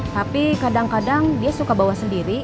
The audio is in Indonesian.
tapi kadang kadang dia suka bawa sendiri